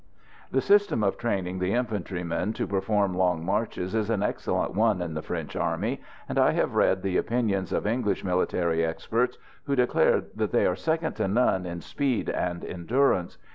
The system of training the infantrymen to perform long marches is an excellent one in the French army, and I have read the opinions of English military experts who declared that they are second to none in speed and endurance.